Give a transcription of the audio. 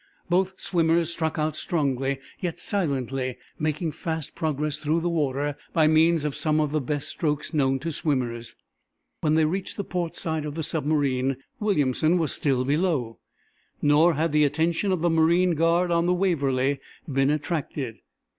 Both swimmers struck out strongly, yet silently, making fast progress through the water by means of some of the best strokes known to swimmers. When they reached the port side of the submarine Williamson was still below. Nor had the attention of the marine guard on the "Waverly" been attracted.